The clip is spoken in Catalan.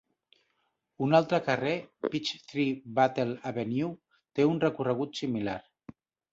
Un altre carrer, Peachtree Battle Avenue, té un recorregut similar.